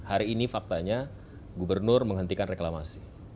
hari ini faktanya gubernur menghentikan reklamasi